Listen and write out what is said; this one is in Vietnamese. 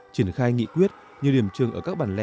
chuyển khai nghị quyết như điểm trường ở các bàn lè